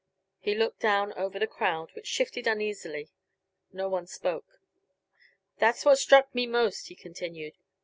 He looked down over the crowd, which shifted uneasily; no one spoke. "That's what struck me most," he continued.